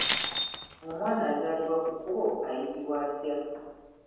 Omwana azaalibwa ku kkubo ayitibwa atya?